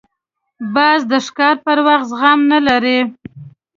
باز د ښکار پر وخت زغم نه لري